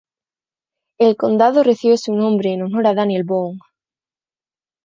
El condado recibe su nombre en honor a Daniel Boone.